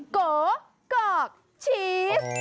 โกกอกชีส